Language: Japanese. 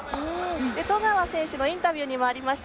十川選手のインタビューにもありました